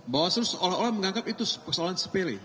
bawaslu seolah olah menganggap itu persoalan sepele